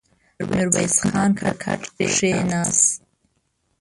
ميرويس خان پر کټ کېناست.